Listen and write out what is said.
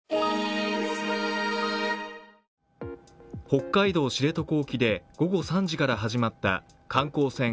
北海道・知床沖で午後３時から始まった観光船